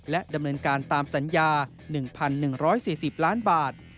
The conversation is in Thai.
และดำเนินการตามสัญญา๑๑๔๐ล้านบาท